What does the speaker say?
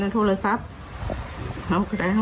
แม่สิทธิ์ท่าห่ามกรับมา